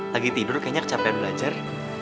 lagi tidur kayaknya kecapean belajar